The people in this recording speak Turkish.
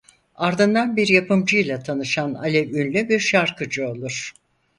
Ardından bir yapımcıyla tanışan Alev ünlü bir şarkıcı olur.